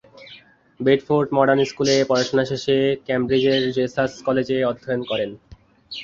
Bedford modern স্কুলে পড়াশোনা শেষে কেমব্রিজের জেসাস কলেজে অধ্যয়ন করেন।